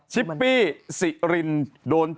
ชิปปี้สิรินโดนจวกเละ